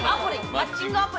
マッチングアプリ。